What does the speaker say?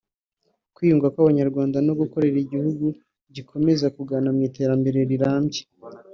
kwiyunga kw’Abanyarwanda no gukorera igihugu gikomeza kugana mu iterambere rirambye